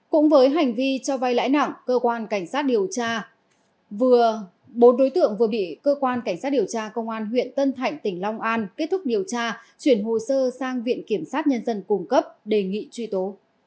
cũng với hành vi cho vai lãi nặng cơ quan cảnh sát điều tra vừa bị cơ quan cảnh sát điều tra công an huyện tân thạnh tỉnh long an kết thúc điều tra chuyển hồ sơ sang viện kiểm sát nhân dân cung cấp đề nghị truy tố